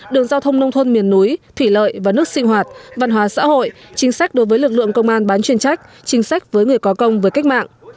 đường giao thông nông thôn miền núi thủy lợi và nước sinh hoạt văn hóa xã hội chính sách đối với lực lượng công an bán chuyên trách chính sách với người có công với cách mạng